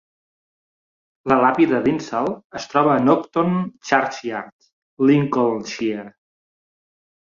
La làpida d'Insall es troba a Nocton Churchyard, Lincolnshire.